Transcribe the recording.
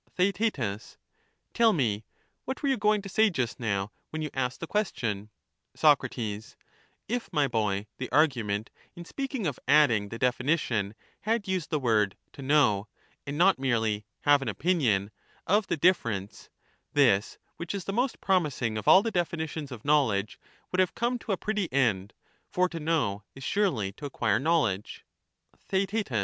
Theaet Tell me ; what were you going to say just now. How when you asked the question ? t^M be Soc, If, my boy, the argument, in speaking of adding the to repeat definition, had used the word to 'know,' and not merely ^^^^^ordwe ''■' are denning ' have an opinion ' of the difference, this which is the most in our de promising of all the definitions of knowledge would have finition.and come to a pretty end, for to know is surely to acquire knowledge knowledge.